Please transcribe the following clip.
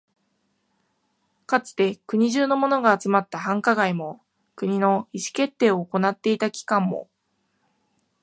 かつて国中のものが集まった繁華街も、国の意思決定を行っていた機関も、